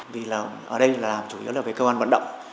vì ở đây chủ yếu là về cơ quan vận động